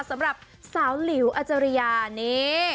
สำหรับสาวหลิวอาจารยานี่